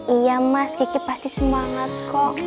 iya mas kiki pasti semangat kok